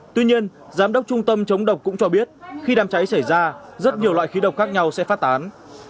tuy nhiên giám đốc trung tâm chống độc cũng cho biết khi đám cháy xảy ra rất nhiều loại khí độc khác nhau sẽ phát tán